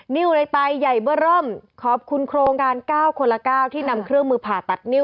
นิ้วในไตใหญ่เบอร์เริ่มขอบคุณโครงการ๙คนละ๙ที่นำเครื่องมือผ่าตัดนิ้ว